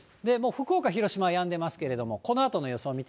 福岡、広島はやんでますけれども、このあとの予想